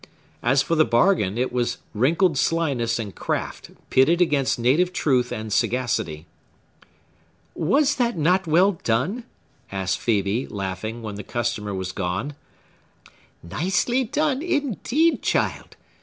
As for the bargain, it was wrinkled slyness and craft pitted against native truth and sagacity. "Was not that well done?" asked Phœbe, laughing, when the customer was gone. "Nicely done, indeed, child!"